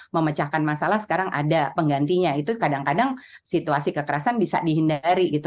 memecahkan masalah sekarang ada penggantinya itu kadang kadang situasi kekerasan bisa dihindari gitu